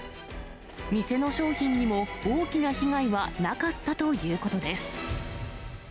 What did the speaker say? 店の商品にも大きな被害はなかったということです。